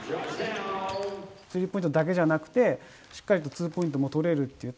スリーポイントだけじゃなくて、しっかりとツーポイントも取れるっていう。